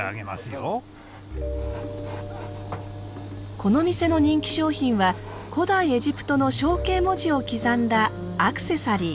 この店の人気商品は古代エジプトの象形文字を刻んだアクセサリー。